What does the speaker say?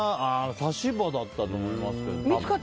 差し歯だったと思いますけど。